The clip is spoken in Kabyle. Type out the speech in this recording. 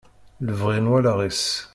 Lebɣi n wallaɣ-is.